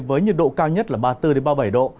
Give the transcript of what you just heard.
với nhiệt độ cao nhất là ba mươi bốn ba mươi bảy độ